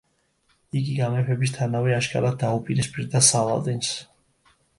იგი გამეფებისთანავე აშკარად დაუპირისპირდა სალადინს.